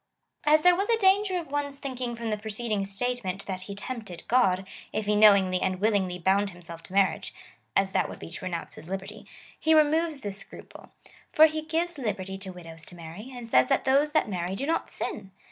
As there was a danger of one's thinking from the preceding statement, that he tempted God, if he knowingly and willingly bound him self to marriage, (as that would be to renounce his liberty,) he removes this scruple ; for he gives liberty to widows to marry, and says, that those that marry do not sin.